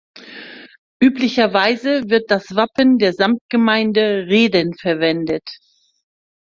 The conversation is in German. Üblicherweise wird das Wappen der Samtgemeinde Rehden verwendet.